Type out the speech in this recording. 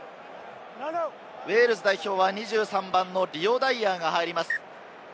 ウェールズ代表は２３番のリオ・ダイアーが入ります。